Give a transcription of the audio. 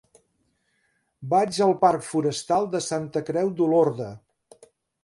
Vaig al parc Forestal de Santa Creu d'Olorda.